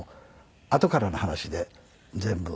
あとからの話で全部。